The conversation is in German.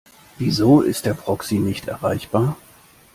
Wieso ist der Proxy nicht erreichbar?